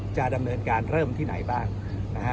จะดำเนินการเริ่มที่ไหนบ้างนะฮะ